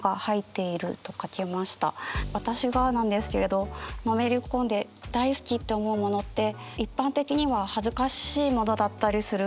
私がなんですけれどのめり込んで大好きって思うものって一般的には恥ずかしいものだったりする。